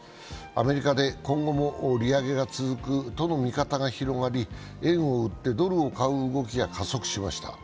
アメリカで今後も利上げが続くとの見方が広がり円を売ってドルを買う動きが加速しました。